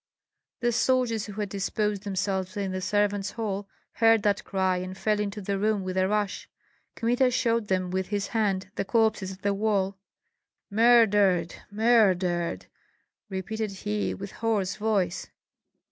The soldiers, who had disposed themselves in the servants' hall, heard that cry and fell into the room with a rush. Kmita showed them with his hand the corpses at the wall. "Murdered! murdered!" repeated he, with hoarse voice.